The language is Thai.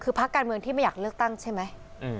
คือพักการเมืองที่ไม่อยากเลือกตั้งใช่ไหม